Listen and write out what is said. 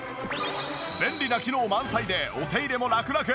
便利な機能満載でお手入れもラクラク。